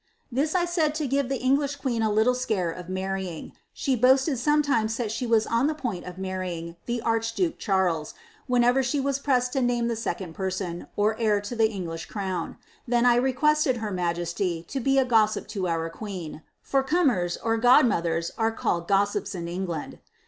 This 1 said to give the English queen a liiile scare of marrying she boasted sometimes thai she was on the point of many mg the archduke Charles, whenever she was pressed to name the second person, or heir to the English erown. Then 1 requested her majesty to be a gossip lo our queen ; for cummers, or godmothers, are called gos aips in England.